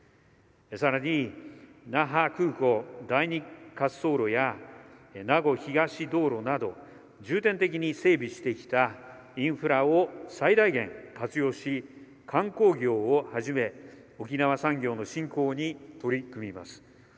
更に、那覇空港第２滑走路や名護東道路など重点的に整備してきたインフラを最大限活用し観光業をはじめ沖縄産業の振興に取り組みます。